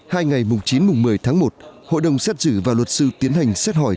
hai ngày chín một mươi tháng một hội đồng xét xử và luật sư tiến hành xét hỏi